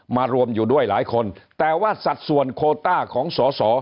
รวมอยู่ด้วยหลายคนแต่ว่าสัดส่วนโคต้าของสอสอ